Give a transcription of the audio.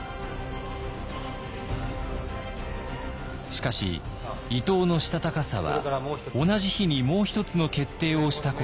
しかし伊藤のしたたかさは同じ日にもう一つの決定をしたことでした。